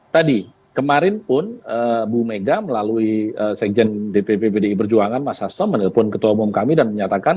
tadi kemarin pun bu mega melalui sekjen dpp pdi perjuangan mas hasto menelpon ketua umum kami dan menyatakan